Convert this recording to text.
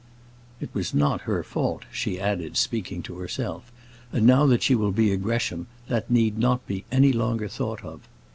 It was not her fault," she added, speaking to herself. "And now that she will be a Gresham, that need not be any longer thought of."